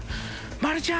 まるちゃん。